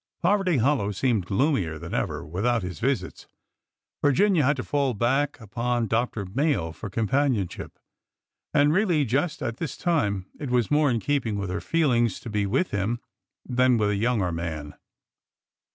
Poverty Hollow seemed gloomier than ever without his visits. Virginia had to fall back upon Dr. Mayo for com panionship; and, really, just at this time it was more in keeping with her feelings to be with him than with a younger man.